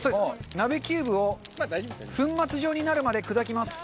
鍋キューブを粉末状になるまで砕きます。